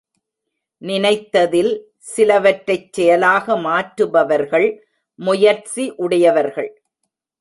நினைத்ததில் சிலவற்றைச் செயலாக மாற்றுபவர்கள் முயற்சி உடையவர்கள்.